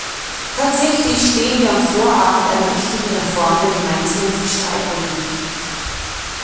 Tatsächlich stehen wir am Vorabend einer wichtigen Reform der gemeinsamen Fischereipolitik.